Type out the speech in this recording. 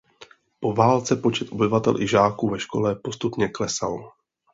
Po válce počet obyvatel i žáků ve škole postupně klesal.